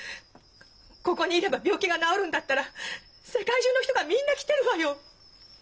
ここにいれば病気が治るんだったら世界中の人がみんな来てるわよ。